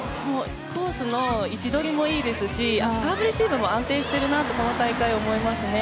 コースの位置取りもいいですしサーブレシーブも安定しているなとこの大会思いますね。